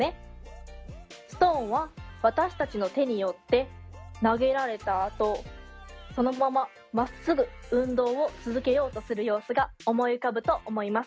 ストーンは私たちの手によって投げられたあとそのまままっすぐ運動を続けようとする様子が思い浮かぶと思います。